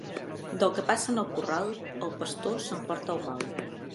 Del que passa en el corral, el pastor s'emporta el mal.